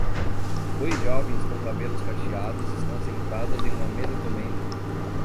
Dois jovens com cabelos cacheados estão sentados em uma mesa comendo